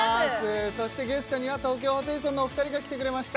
そしてゲストには東京ホテイソンのお二人が来てくれました